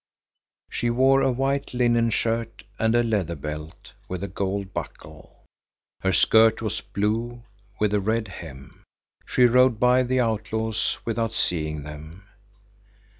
She wore a white linen shirt and a leather belt with a gold buckle. Her skirt was blue with a red hem. She rowed by the outlaws without seeing them.